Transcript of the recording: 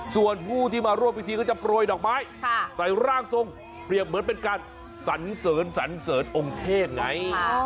ส่วนผู้ที่มาร่วมพิธีก็จะโปรยดอกไม้ใส่ร่างทรงเปรียบเหมือนเป็นการสันเสริญสันเสริญองค์เทพไง